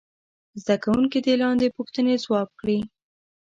زده کوونکي دې لاندې پوښتنې ځواب کړي.